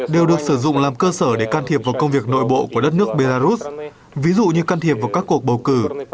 đều được sử dụng làm cơ sở để can thiệp vào công việc nội bộ của đất nước belarus ví dụ như can thiệp vào các cuộc bầu cử